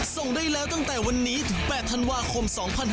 ส่งได้แล้วตั้งแต่วันนี้ถึง๘ธันวาคม๒๕๖๒